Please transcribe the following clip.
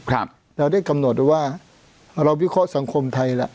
เราได้กำหนดไว้ว่าอ่าเราวิเคราะห์สังคมไทยแล้ว